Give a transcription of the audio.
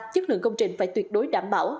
chức lượng công trình phải tuyệt đối đảm bảo